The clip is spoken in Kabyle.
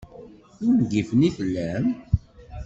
D ungifen i tellam?